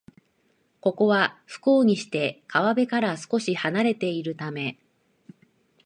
ここは、不幸にして川辺から少しはなれているため